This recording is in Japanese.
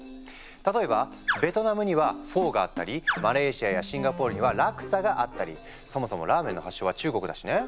例えばベトナムには「フォー」があったりマレーシアやシンガポールには「ラクサ」があったりそもそもラーメンの発祥は中国だしね。